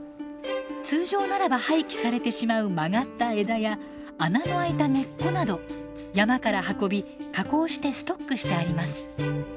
通常ならば廃棄されてしまう曲がった枝や穴の開いた根っこなど山から運び加工してストックしてあります。